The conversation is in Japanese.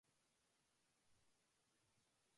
朝日が東の空に輝いている。